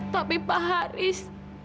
tapi pak haris